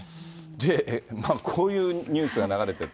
で、こういうニュースが流れてて。